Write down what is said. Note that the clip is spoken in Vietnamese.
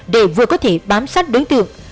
để vừa có thể bám sát đối tượng